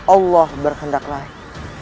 allah berhendak lain